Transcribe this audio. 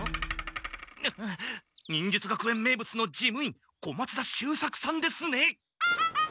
あ忍術学園名物の事務員小松田秀作さんですね？